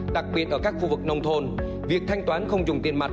đặc biệt ở các khu vực nông thôn việc thanh toán không dùng tiền mặt